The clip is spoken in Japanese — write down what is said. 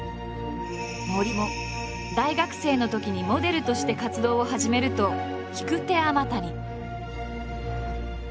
森も大学生のときにモデルとして活動を始めると引く手あまたに。